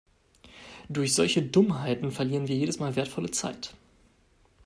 Durch solche Dummheiten verlieren wir jedes Mal wertvolle Zeit.